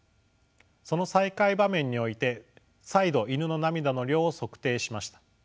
その再会場面において再度イヌの涙の量を測定しました。